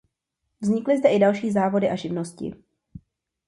Vznikly zde i další závody a živnosti.